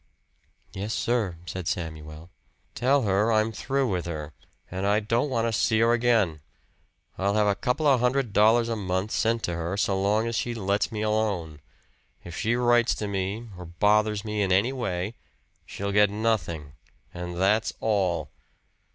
"Yes, sir," said Samuel. "Tell her I'm through with her, and I don't want to see her again. I'll have a couple of hundred dollars a month sent to her so long as she lets me alone. If she writes to me or bothers me in any way, she'll get nothing. And that's all."